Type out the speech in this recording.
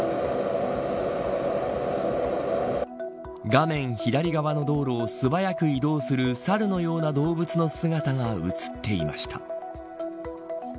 画面左側の道路を素早く移動するサルのような動物の姿が映っていました。